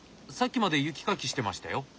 さっきまで雪かきしてましたよ。